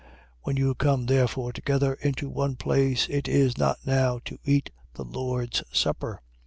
When you come therefore together into one place, it is not now to eat the Lord's supper.